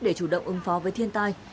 để chủ động ứng phó với thiên tai